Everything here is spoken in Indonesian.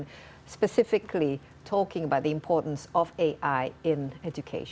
secara spesifik mengenai pentingnya ai dalam pendidikan